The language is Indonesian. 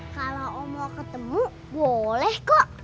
kalau om mau ketemu boleh kok